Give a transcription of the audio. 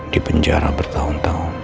di penjara bertahun tahun